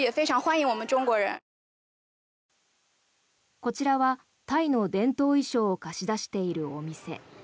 こちらはタイの伝統衣装を貸し出しているお店。